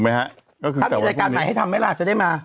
ก็คือแปบบุญแบบคู่นี้ทำรายการไหนให้ทำมั้ยนี่ล่ะจะได้มา